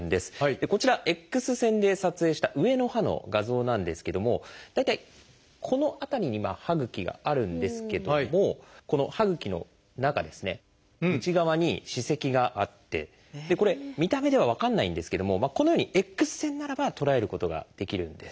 こちらＸ線で撮影した上の歯の画像なんですけども大体この辺りに歯ぐきがあるんですけどもこの歯ぐきの中ですね内側に歯石があってこれ見た目では分かんないんですけどもこのようにＸ線ならば捉えることができるんです。